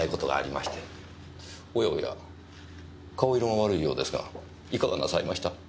おやおや顔色が悪いようですがいかがなさいました？